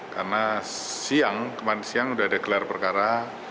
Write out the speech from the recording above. karena kemarin siang sudah ada gelar perkara